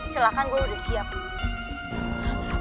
silahkan gue udah siap